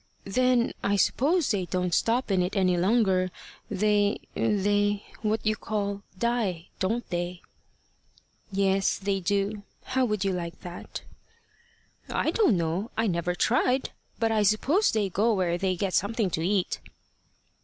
"Then I suppose they don't stop in it any longer. They they what you call die don't they?" "Yes, they do. How would you like that?" "I don't know. I never tried. But I suppose they go where they get something to eat."